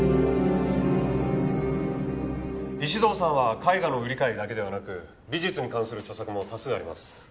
石堂さんは絵画の売り買いだけではなく美術に関する著作も多数あります。